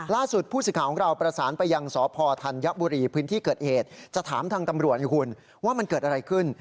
ผู้สิทธิ์ของเราประสานไปยังสพธัญบุรีพื้นที่เกิดเหตุจะถามทางตำรวจให้คุณว่ามันเกิดอะไรขึ้น